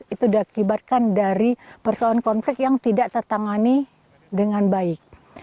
itu diakibatkan dari persoalan konflik yang tidak tertangani dengan baik